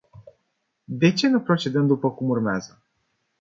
De ce nu procedăm după cum urmează?